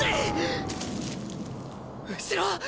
後ろ！？